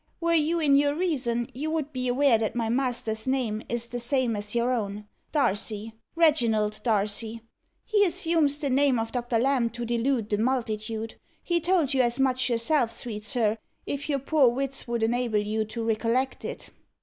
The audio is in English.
"Were you in your reason, you would be aware that my master's name is the same as your own Darcy Reginald Darcy. He assumes the name of Doctor Lamb to delude the multitude. He told you as much yourself, sweet sir, if your poor wits would enable you to recollect it."